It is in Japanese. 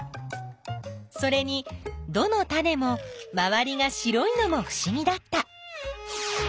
それにどのタネもまわりが白いのもふしぎだった。